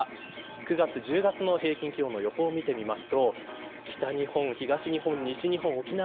９月、１０月の平均気温の予報を見てみます。